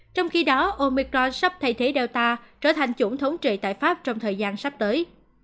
trong khi đó omicron sắp thay thế data trở thành chuẩn thống trị tại pháp trong thời gian sắp tới